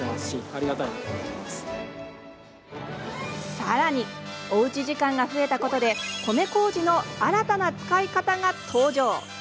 さらにおうち時間が増えたことで米こうじの新たな使い方が登場。